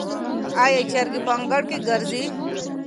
آیا چرګې په انګړ کې ګرځي؟